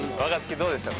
どうでしたか？